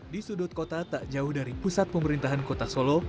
di sudut kota tak jauh dari pusat pemerintahan kota solo